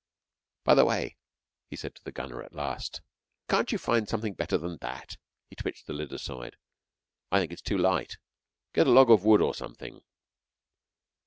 "By the way," he said to the gunner at last, "can't you find something better than that?" He twitched the lid aside. "I think it's too light. Get a log of wood or something."